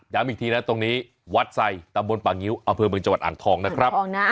ย้ำอีกทีนะตรงนี้วัดไซร์ตำบลป่างิวอเผือเมืองจัวร์อ่านทองนะครับ